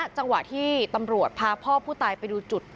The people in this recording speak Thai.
จังหวะที่ตำรวจพาพ่อผู้ตายไปดูจุด